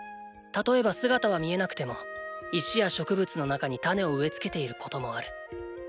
例えば姿は見えなくても石や植物の中に種を植え付けていることもある。